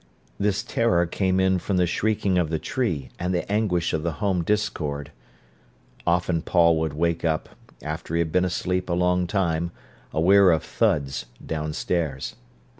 This terror came in from the shrieking of the tree and the anguish of the home discord. Often Paul would wake up, after he had been asleep a long time, aware of thuds downstairs.